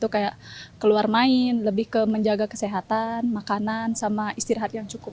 kayak keluar main lebih ke menjaga kesehatan makanan sama istirahat yang cukup